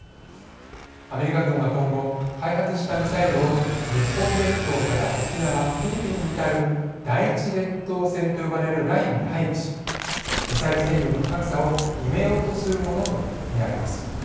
アメリカ軍は、今後開発したミサイルを日本列島から沖縄フィリピンに至る第一列島線と呼ばれるラインに配備しミサイル戦力の格差を埋めようとするものとみられます。